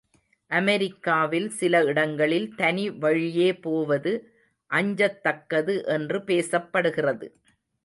அமெரிக்காவில் சில இடங்களில் தனி வழியே போவது அஞ்சத்தக்கது என்று பேசப்படுகிறது.